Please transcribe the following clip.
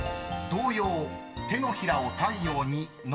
［童謡『手のひらを太陽に』